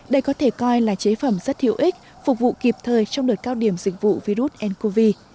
đây có thể coi là chế phẩm rất hữu ích phục vụ kịp thời trong đợt cao điểm dịch vụ virus ncov